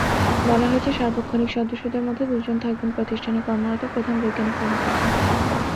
বলা হয়েছে, সার্বক্ষণিক সদস্যদের মধ্যে দুজন থাকবেন প্রতিষ্ঠানে কর্মরত প্রধান বৈজ্ঞানিক কর্মকর্তা।